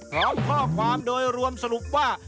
พร้อมข้อความโดยรวมสรุปว่า